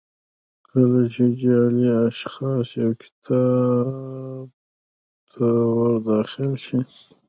کله چې جعلي اشخاص یو کتاب ته ور داخل شي.